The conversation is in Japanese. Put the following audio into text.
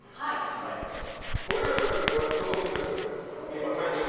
森脇さんは整ってるんですか今、体調は。